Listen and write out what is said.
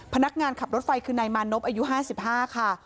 พนักงานขับรถไฟคือนายมานพอายุ๕๕ค่ะ